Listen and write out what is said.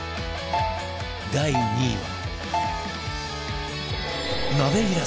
第２位は